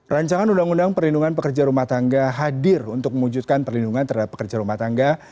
rancangan undang undang perlindungan pekerja rumah tangga hadir untuk mewujudkan perlindungan terhadap pekerja rumah tangga